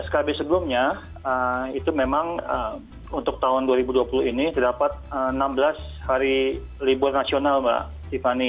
skb sebelumnya itu memang untuk tahun dua ribu dua puluh ini terdapat enam belas hari libur nasional mbak tiffany